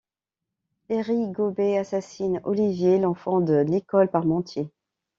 Eric Gaubert assassine Olivier, l’enfant de Nicole Parmentier.